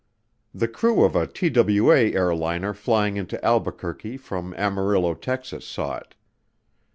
The crew of a TWA airliner flying into Albuquerque from Amarillo, Texas, saw it.